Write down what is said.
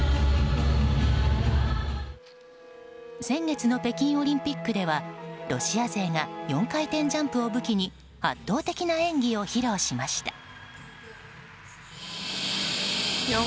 先月の北京オリンピックではロシア勢が４回転ジャンプを武器に圧倒的な演技を披露しました。